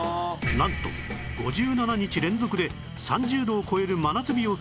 なんと５７日連続で３０度を超える真夏日を記録